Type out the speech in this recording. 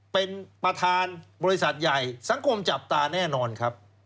เป็นประธานบริษัทใหญ่สังคมจับตาแน่นอนครับ